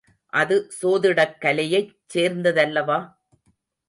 அது சோதிடக்கலையைச் சேர்ந்ததல்லவா?